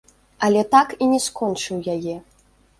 Але так і не скончыў яе.